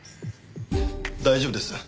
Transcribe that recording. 大丈夫です。